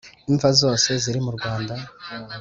Imva zose ziri mu Rwanda